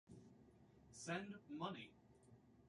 Send money